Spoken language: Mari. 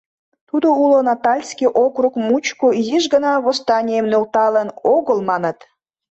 Тудо уло Натальский округ мучко изиш гына восстанийым нӧлталын огыл, маныт!..